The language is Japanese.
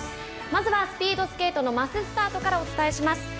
まずはスピードスケートのマススタートからお伝えします。